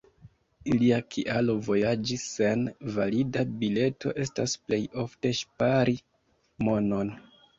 Ilia kialo vojaĝi sen valida bileto estas plej ofte ŝpari monon.